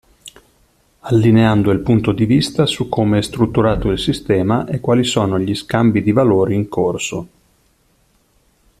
Allineando il punto di vista su come è strutturato il sistema e quali sono gli scambi di valori in corso.